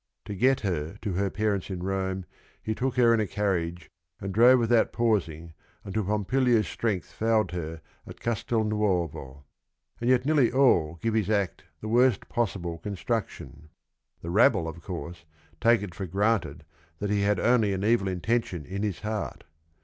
To get her to her parents in Rome he took her in a carriage and drove without pausing until Pompilia's strength failed her at Castelnuovo. And yet nearly all give his act the worst possible construction. The rabble, of course, take it for granted that he had only an evil intention in his heart.